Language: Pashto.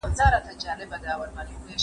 موږ بايد تاريخ ته له سياسي زاويې ونه ګورو.